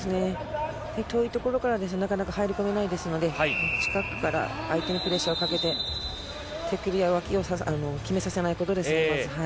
遠いところからですとなかなか入り込めないので近くから相手にプレッシャーをかけて脇を決めさせないことですね。